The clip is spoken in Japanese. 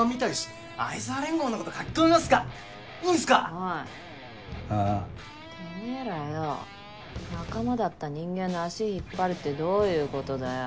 てめぇらよ仲間だった人間の足引っ張るってどういうことだよ。